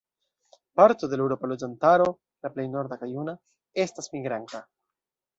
Parto de la eŭropa loĝantaro -la plej norda kaj juna- estas migranta.